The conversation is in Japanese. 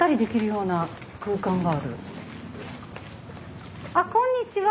あっこんにちは。